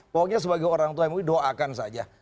pokoknya sebagai orang tua yang mau ini doakan saja